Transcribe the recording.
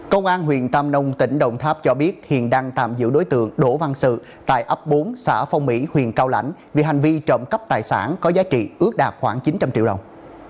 công an huyện tam nông tỉnh đồng tháp cho biết hiện đang tạm giữ đối tượng đỗ văn sự tại ấp bốn xã phong mỹ huyện cao lãnh vì hành vi trộm cắp tài sản có giá trị ước đạt khoảng chín trăm linh triệu đồng